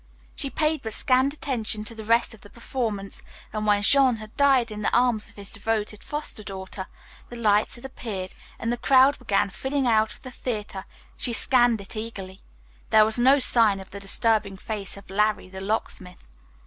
She paid but scant attention to the rest of the performance, and when Jean had died in the arms of his devoted foster daughter, the lights had appeared, and the crowd began filing out of the theatre, she scanned it eagerly. There was no sign of the disturbing face of "Larry, the Locksmith."